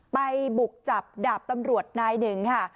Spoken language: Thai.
บุกจับดาบตำรวจนายหนึ่งค่ะ